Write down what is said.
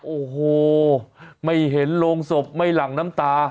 โอ้โหไม่เห็นโรงศพไม่หลั่งน้ำตา